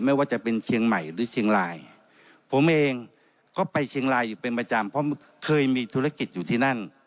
ไม่ว่าจะเป็นเชียงใหม่หรือเชียงรายผมเองก็ไปเชียงรายอยู่เป็นประจำเพราะเคยมีธุรกิจอยู่ที่นั่น